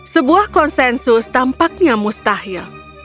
sebuah konsensus tampaknya mustahil